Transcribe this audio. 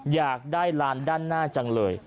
อยากได้ลานด้านหน้าจังเลย